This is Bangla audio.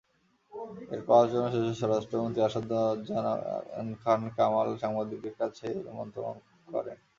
এরপর আলোচনা শেষে স্বরাষ্ট্রমন্ত্রী আসাদুজ্জামান খান কামাল সাংবাদিকদের কাছে এ মন্তব্য করেন।